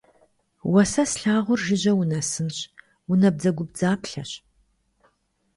Уэ сэ слъагъур жыжьэ унэсынщ, унабдзэгубдзаплъэщ!